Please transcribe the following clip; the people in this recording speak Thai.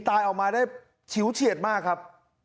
ตายออกมาได้ฉิวเฉียดมากครับ